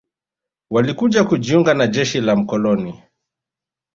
Walikuja kujiunga na jeshi la mkoloni